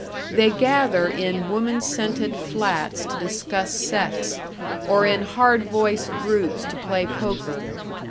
They gather in woman scented flats to discuss sex, or in hard voiced groups to play poker.